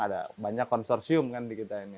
ada banyak konsorsium kan di kita ini